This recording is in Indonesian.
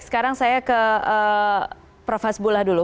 sekarang saya ke prof hasbullah dulu